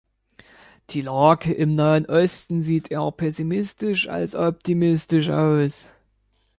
Die Lage im Nahen Osten sieht eher pessimistisch als optimistisch aus.